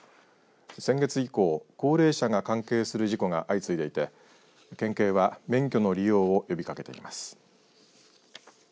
先月以降、高齢者が関係する事故が相次いでいて県警は免許の利用を呼びかけています。